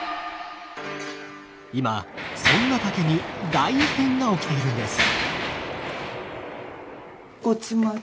今そんな竹に大異変が起きているんです。